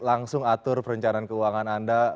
langsung atur perencanaan keuangan anda